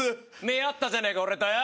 目合ったじゃねえか俺とよ。